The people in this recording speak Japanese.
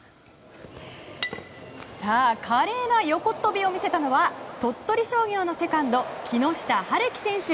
華麗な横っ飛びを見せたのは鳥取商業のセカンド木下晴輝選手。